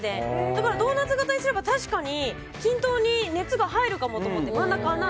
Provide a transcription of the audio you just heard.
だからドーナツ形にすれば確かに均等に熱が入るかもと思って。